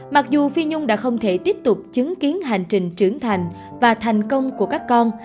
mặc dù phi nhung đã không thể tiếp tục chứng kiến hành trình trưởng thành và thành công của các con